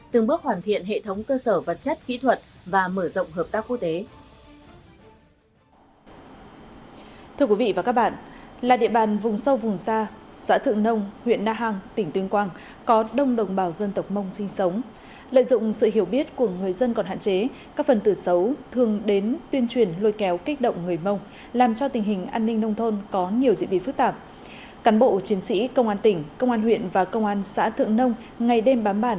từng bước hoàn thiện hệ thống cơ sở vật chất kỹ thuật và mở rộng hợp tác quốc tế